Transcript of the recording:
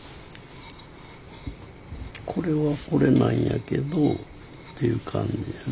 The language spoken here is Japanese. これはこれなんやけどっていう感じですね。